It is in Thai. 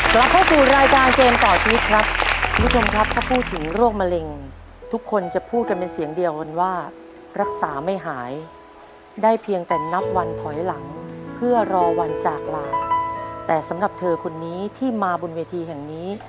คุณผู้ถึงโรคมะเร็งทุกคนจะพูดกันเป็นเสียงเดียวว่ารักษาไม่หายได้เพียงแต่นับวันถอยหลังเพื่อรอวันจากหลานแต่สำหรับเธอคนนี้ที่มาบนเวทีแห่งนี้